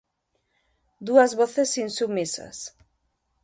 Dúas voces insubmisas.